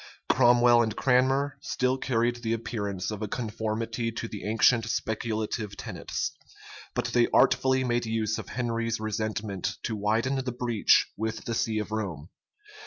Cromwell and Cranmer still carried the appearance of a conformity to the ancient speculative tenets; but they artfully made use of Henry's resentment to widen the breach with the see of Rome.